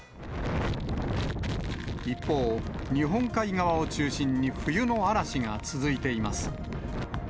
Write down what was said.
一方、日本海側を中心に冬の嵐が続いています。